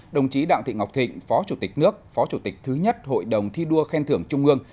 đồng chí đặng thị ngọc thịnh phó chủ tịch nước phó chủ tịch thứ nhất hội đồng thi đua khen thưởng trung ương